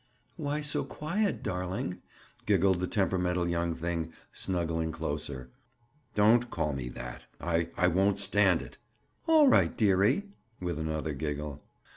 "Why so quiet, darling?" giggled the temperamental young thing, snuggling closer. "Don't call me that. I—I won't stand it." "All right, dearie." With another giggle.